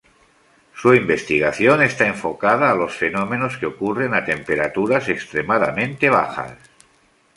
Su investigación está enfocada a los fenómenos que ocurren a temperaturas extremadamente bajas.